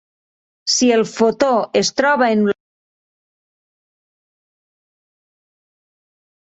Si el fotó es troba en la ruta superior, no interaccionarà amb la bomba.